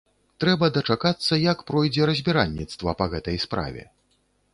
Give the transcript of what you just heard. Трэба дачакацца, як пройдзе разбіральніцтва па гэтай справе.